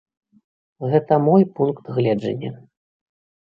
Гэта мой пункт гледжання.